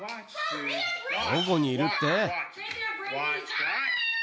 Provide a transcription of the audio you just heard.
どこにいるって？